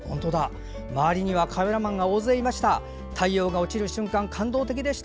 周りにはカメラマンが大勢いました。